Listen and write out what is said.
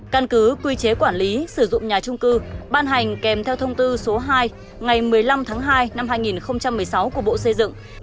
căn cứ quy chế quản lý sử dụng nhà trung cư ban hành kèm theo thông tư số hai ngày một mươi năm tháng hai năm hai nghìn một mươi sáu của bộ xây dựng